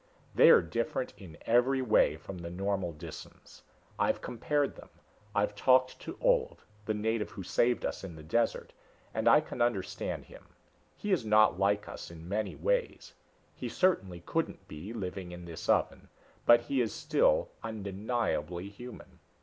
They are different in every way from the normal Disans. I've compared them. I've talked to Ulv the native who saved us in the desert and I can understand him. He is not like us in many ways he certainly couldn't be, living in this oven but he is still undeniably human.